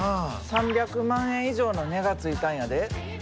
３００万円以上の値がついたんやで。